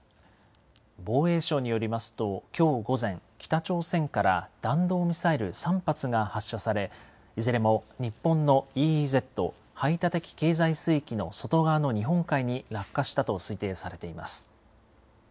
防衛省によりますと、きょう午前、北朝鮮から弾道ミサイル３発が発射され、いずれも日本のＥＥＺ・排他的経済水域の外側の日本海に落下したと推定されています。